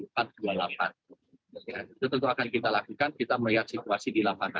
itu tentu akan kita lakukan kita melihat situasi di lapangan